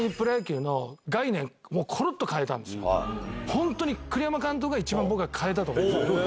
本当に栗山監督が一番僕は変えたと思ってるんです。